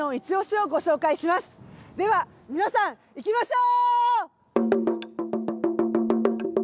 では皆さん行きましょう！